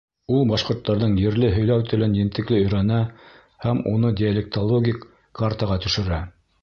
Ул башҡорттарҙың ерле һөйләү телен ентекле өйрәнә һәм уны диалектологик картаға төшөрә.